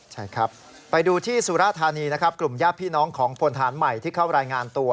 ใช่ครับไปดูที่สุราธานีนะครับกลุ่มญาติพี่น้องของพลฐานใหม่ที่เข้ารายงานตัว